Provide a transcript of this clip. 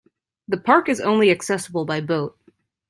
The park is only accessible by boat.